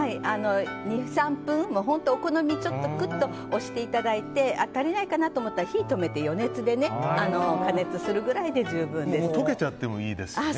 ２３分、お好みでちょっとぐっと押していただいて足りないかなと思ったら火を止めて余熱で溶けちゃってもいいですね。